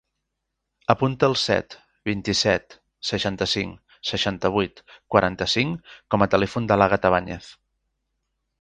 Apunta el set, vint-i-set, seixanta-cinc, seixanta-vuit, quaranta-cinc com a telèfon de l'Àgata Bañez.